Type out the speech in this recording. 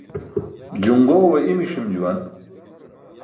Juṅġoowe i̇mi̇ ṣim juwan.